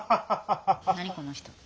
何この人。